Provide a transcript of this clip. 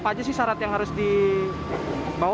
apa aja sih syarat yang harus dibawa